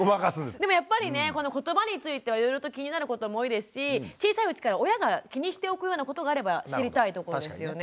でもやっぱりねこのことばについてはいろいろと気になることも多いですし小さいうちから親が気にしておくようなことがあれば知りたいところですよね。